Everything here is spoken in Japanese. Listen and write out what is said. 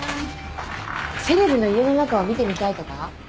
セレブの家の中を見てみたいとか？